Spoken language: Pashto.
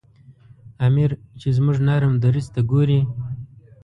امیر چې زموږ نرم دریځ ته ګوري.